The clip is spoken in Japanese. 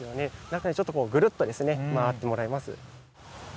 中をちょっとぐるっと回ってもらいます。